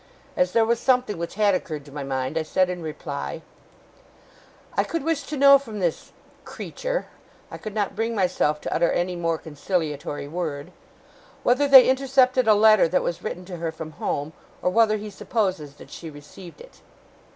As there was something which had occurred to my mind, I said in reply: 'I could wish to know from this creature,' I could not bring myself to utter any more conciliatory word, 'whether they intercepted a letter that was written to her from home, or whether he supposes that she received it.